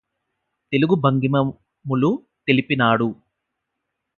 తెలుగు భంగిమములు తెలిపినాడు